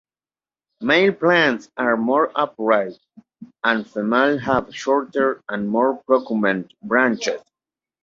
Male plants are more upright and female have shorter and more procumbent branches.